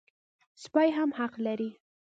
سپي هم حق لري.